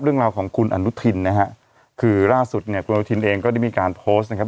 เรื่องราวของคุณอนุทินนะฮะคือล่าสุดเนี่ยคุณอนุทินเองก็ได้มีการโพสต์นะครับ